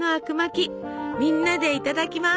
みんなでいただきます！